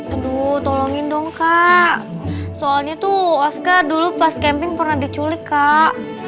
aduh tolongin dong kak soalnya tuh oska dulu pas camping pernah diculik kak